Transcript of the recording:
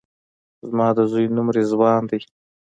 زما د زوی نوم رضوان دی